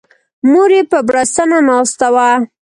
مور یې په بړستنه ناسته وه.